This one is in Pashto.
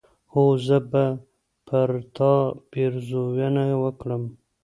هو! زه به پر تا پيرزوينه وکړم